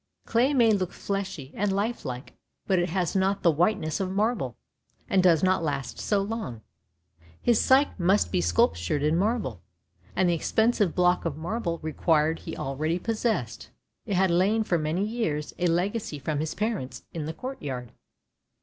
Clay may look fleshy and life like, but it has not the white ness of marble, and does not last so long. His Psyche must be sculptured in marble, and the expensive block of marble required he already possessed: it had lain for many years, a legacy from his parents, in the court yard.